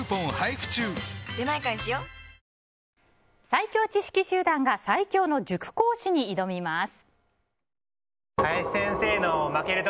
最強知識集団が最強の塾講師に挑みます。